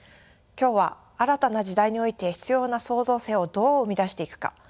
今日は新たな時代において必要な創造性をどう生み出していくか